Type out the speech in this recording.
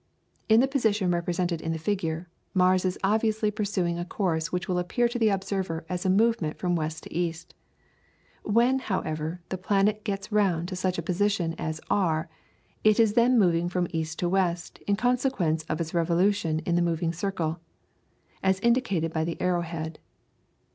In the position represented in the figure, Mars is obviously pursuing a course which will appear to the observer as a movement from west to east. When, however, the planet gets round to such a position as R, it is then moving from east to west in consequence of its revolution in the moving circle, as indicated by the arrow head.